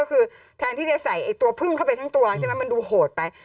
ก็คือแทนที่จะใส่ตัวพึ่งเข้าไปทั้งตัวใช่ไหมมันดูโหดไป